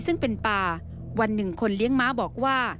ซึ่งเป็นป่าวันหนึ่งคนเลี้ยงม้าบอกว่า